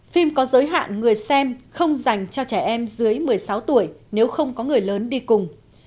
phim có giới hạn người xem không dành cho trẻ em dưới một mươi sáu tuổi nếu không có người lớn đi cùng